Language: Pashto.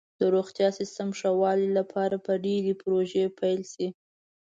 د روغتیا سیستم ښه والي لپاره به ډیرې پروژې پیل شي.